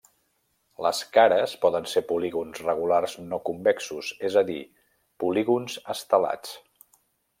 Les cares poden ser polígons regulars no convexos, és a dir polígons estelats.